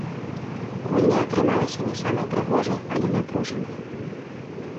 Гульня атрымалася не самай прыгожай, але напружанай.